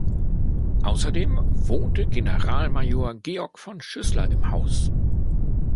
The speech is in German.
Außerdem wohnte Generalmajor Georg von Schüßler im Haus.